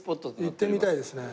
行ってみたいですね。